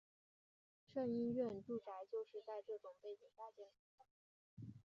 胜因院住宅就是在这种背景下建成的。